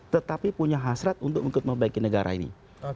tetapi punya hasrat untuk memperbaiki negara ini